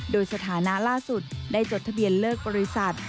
โดยสถานะล่าสุดได้จดทะเบียนเลิกบริษัท